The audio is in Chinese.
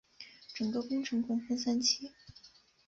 整个工程共分三期。